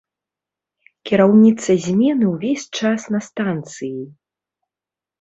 Кіраўніца змены ўвесь час на станцыі.